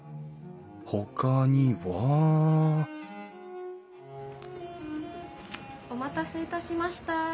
ほかにはお待たせいたしました。